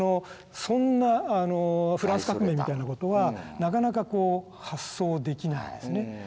そんなフランス革命みたいなことはなかなか発想できないですね。